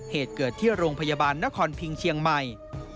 เหตุเกิดที่โรงพยาบาลนครพิงเชียงใหม่